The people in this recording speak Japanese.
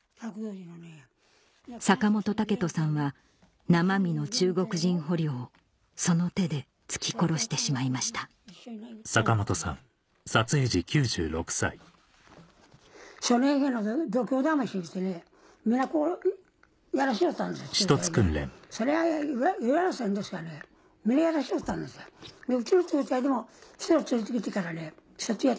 坂本武人さんは生身の中国人捕虜をその手で突き殺してしまいました皆やらしおったんですよ。